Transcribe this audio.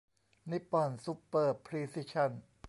นิปปอนซุปเปอร์พรีซิชั่น